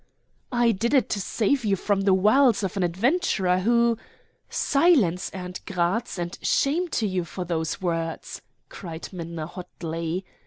"I did it to save you from the wiles of an adventurer who " "Silence, aunt Gratz, and shame to you for those words," cried Minna hotly.